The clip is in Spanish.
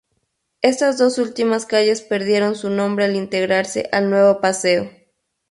Estas dos últimas calles perdieron su nombre al integrarse al nuevo paseo.